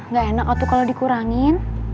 gak enak tuh kalo dikurangin